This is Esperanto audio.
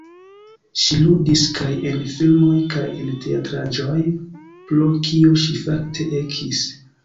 Ŝi ludis kaj en filmoj kaj en teatraĵoj, pro kio ŝi fakte ekis.